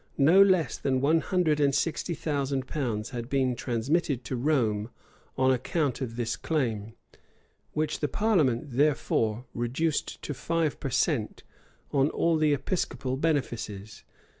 no less than one hundred and sixty thousand pounds had been transmitted to Rome on account of this claim; which the parliament, therefore, reduced to five per cent. on all the episcopal benefices.